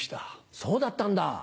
そうだったんだ。